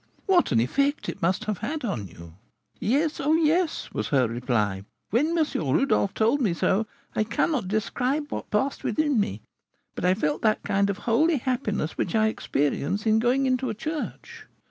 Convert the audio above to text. What an effect it must have had on you!' 'Yes, oh, yes,' was her reply; 'when M. Rodolph told me so, I cannot describe what passed within me; but I felt that kind of holy happiness which I experience in going into a church.